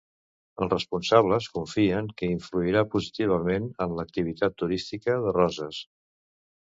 Els responsables confien que influirà positivament en l'activitat turística de Roses.